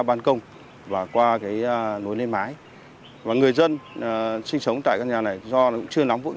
ban công và qua cái lối lên mái và người dân sinh sống tại căn nhà này do nó cũng chưa nắm vững